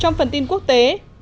trong phần tin quốc tế